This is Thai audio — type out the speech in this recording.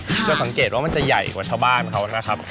จะสังเกตว่ามันจะใหญ่กว่าชาวบ้านเขานะครับ